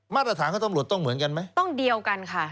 มาตรฐานของตำรวจต้องเหมือนกันไหมต้องเดียวกันค่ะ